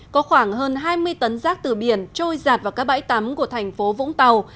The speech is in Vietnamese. có khoảng hơn hai mươi tấn rác từ biển trôi giạt vào các bãi tắm của thành phố vũng tàu